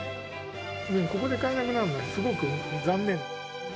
ここで買えなくなるのはすごく残念。